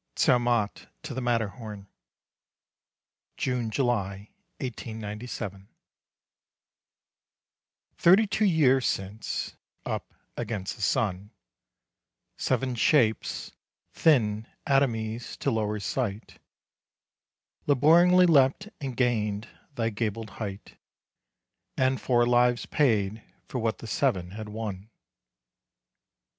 ZERMATT TO THE MATTERHORN (June July, 1897) Thirty two years since, up against the sun, Seven shapes, thin atomies to lower sight, Labouringly leapt and gained thy gabled height, And four lives paid for what the seven had won.